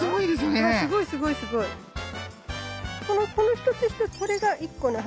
この一つ一つこれが一個の花